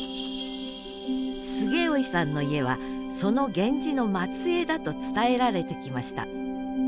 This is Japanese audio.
菅生さんの家はその源氏の末えいだと伝えられてきました。